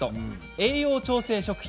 栄養調整食品。